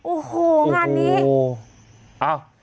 โอ้โหงานนี้